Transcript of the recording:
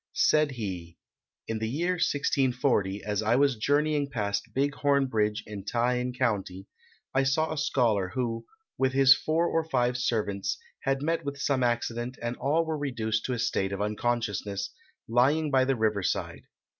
Said he: "In the year 1640, as I was journeying past Big Horn Bridge in Ta in County, I saw a scholar, who, with his four or five servants, had met with some accident and all were reduced to a state of unconsciousness, lying by the river side.